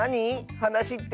はなしって。